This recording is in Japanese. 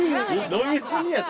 飲み過ぎやて。